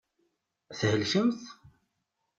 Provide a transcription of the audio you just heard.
Thelkemt?